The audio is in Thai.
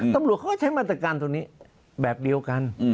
ตำรวจเขาก็ใช้มาตรการตรงนี้แบบเดียวกัน